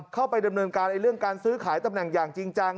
เข้าไปดำเนินการเรื่องการซื้อขายตำแหน่งอย่างจริงจัง